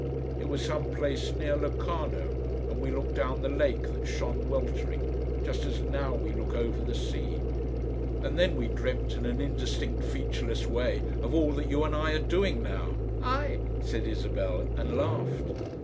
It was some place near Locarno, and we looked down the lake that shone weltering just as now we look over the sea. And then we dreamt in an indistinct featureless way of all that you and I are doing now." "I!" said Isabel, and laughed.